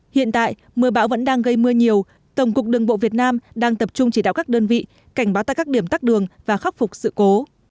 hiện tại mưa bão vẫn đang gây mưa nhiều tổng cục đường bộ việt nam đang tập trung chỉ đạo các đơn vị cảnh báo tại các điểm tắc đường và khắc phục sự cố